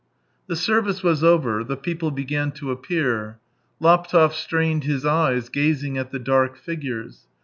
The service was over, the people began to appear. Laptev strained his eyes gazing at the dark figures.